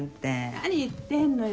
何言ってんのよ。